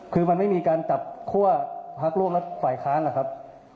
คือมันไม่มีการจับคั่วพักร่วมและฝ่ายค้านนะครับ